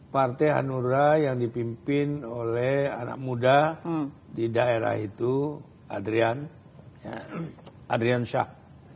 partai hanura yang dipimpin oleh anak muda di daerah itu adrian syah